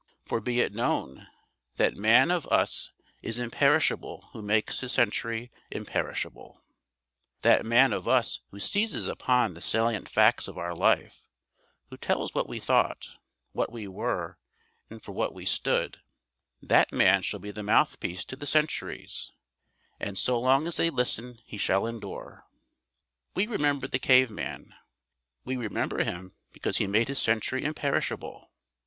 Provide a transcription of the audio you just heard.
For be it known: That man of us is imperishable who makes his century imperishable. That man of us who seizes upon the salient facts of our life, who tells what we thought, what we were, and for what we stood that man shall be the mouthpiece to the centuries, and so long as they listen he shall endure. We remember the caveman. We remember him because he made his century imperishable.